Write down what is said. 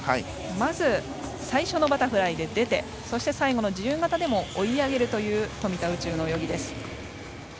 まず最初のバタフライで出てそして、最後の自由形でも追い上げるという富田宇宙の泳ぎです。